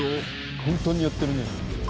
簡単にやってるね。